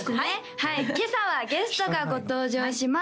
はい今朝はゲストがご登場します